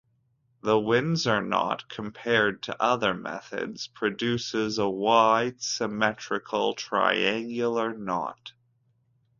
The Windsor knot, compared to other methods, produces a wide symmetrical triangular knot.